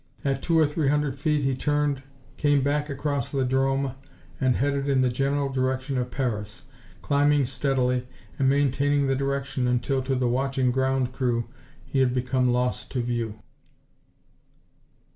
At two or three hundred feet he turned, came back across the 'drome and headed in the general direction of Paris, climbing steadily and maintaining the direction until to the watching ground crew he became lost to view.